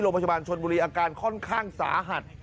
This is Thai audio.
โรงพยาบาลชนบุรีอาการค่อนข้างสาหัส